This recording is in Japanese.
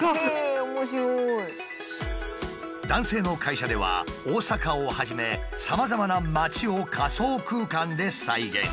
男性の会社では大阪をはじめさまざまな街を仮想空間で再現。